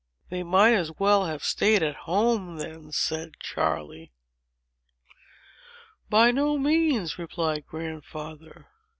"They might as well have staid at home, then," said Charley. "By no means," replied Grandfather.